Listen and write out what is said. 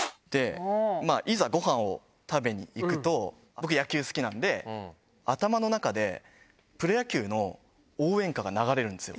いざごはんを食べに行くと、僕、野球好きなんで、頭の中でプロ野球の応援歌が流れるんですよ。